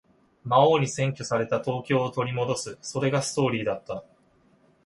魔王に占拠された東京を取り戻す。それがストーリーだった。